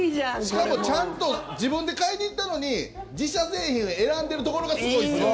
しかも、ちゃんと自分で買いに行ったのに自社製品を選んでるところがすごいんですよ。